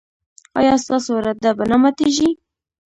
ایا ستاسو اراده به نه ماتیږي؟